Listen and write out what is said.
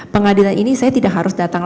pengadilan ini saya tidak harus datang